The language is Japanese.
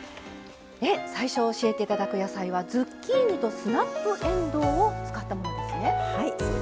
最初、教えていただく野菜はズッキーニとスナップえんどうを使ったものですね。